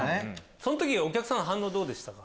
その時お客さん反応どうでしたか？